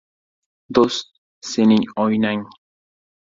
• Do‘st ― sening oynang.